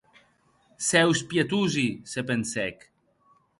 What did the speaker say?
Cèus pietosi!, se pensèc.